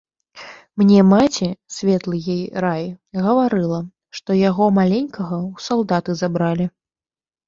Мне маці, светлы ёй рай, гаварыла, што яго маленькага ў салдаты забралі.